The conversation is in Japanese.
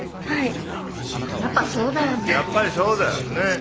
はいやっぱそうだよね